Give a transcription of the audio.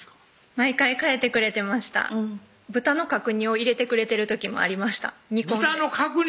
毎回変えてくれてました豚の角煮を入れてくれてる時もありました豚の角煮！